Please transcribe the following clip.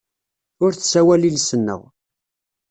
Ur tessawal iles-nneɣ.